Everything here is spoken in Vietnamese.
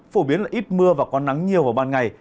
phổ biến là ít mưa và có nắng nhiều vào ban ngày